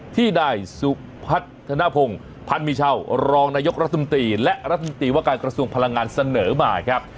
ที่นายสุพัฒนภงพันมีเช่ารองนายกรัฐมนตรีและรัฐมนตรีว่าการกระทรวงพลังงานเสนอมาครับ